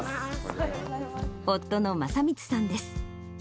夫の将光さんです。